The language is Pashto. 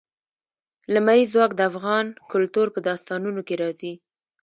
لمریز ځواک د افغان کلتور په داستانونو کې راځي.